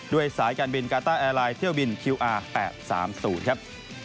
สายการบินกาต้าแอร์ไลน์เที่ยวบินคิวอาร์๘๓๐ครับ